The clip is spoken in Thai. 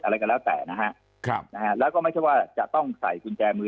อะไรก็แล้วแต่นะฮะครับนะฮะแล้วก็ไม่ใช่ว่าจะต้องใส่กุญแจมือ